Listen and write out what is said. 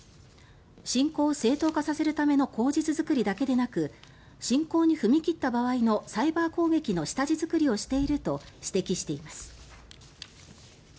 侵攻を正当化させるための口実作りだけでなく侵攻に踏み切った場合のサイバー攻撃の下地作りをしていると指摘しています。